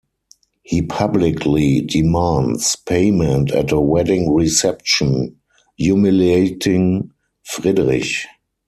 He publicly demands payment at a wedding reception, humiliating Friedrich.